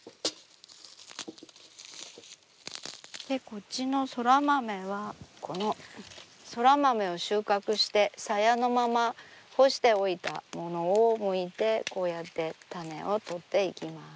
こっちのそら豆はこのそら豆を収穫してさやのまま干しておいたものをむいてこうやって種を取っていきます。